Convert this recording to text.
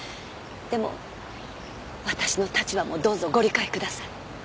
でも私の立場もどうぞご理解ください。